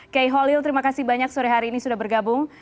kiai holil terima kasih banyak sore hari ini sudah bergabung